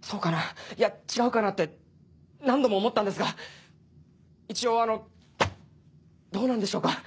そうかないや違うかなって何度も思ったんですが一応あのどうなんでしょうか？